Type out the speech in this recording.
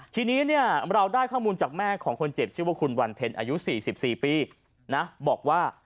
ทีนี้เนี่ยเราได้ข้อมูลจากแม่ของคนเจ็บชื่อว่าคุณวันเพ็ญอายุ๔๔ปีนะบอกว่า